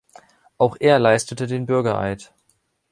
Auch er leistete den Bürgereid.